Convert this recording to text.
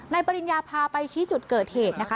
ปริญญาพาไปชี้จุดเกิดเหตุนะคะ